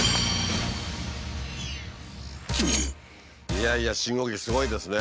いやいや信号機すごいですね。